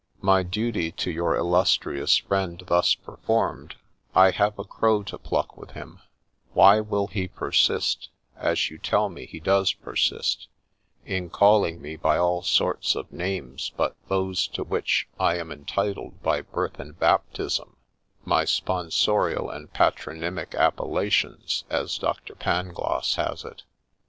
My duty to your illustrious friend thus performed, I have a crow to pluck with him — Why will he persist, — as you tell me he does persist — in calling me by all sorts of names but those to which I am entitled by birth and baptism — my ' Spon sorial and Patronymic appellations,' as Dr. Pangloss has it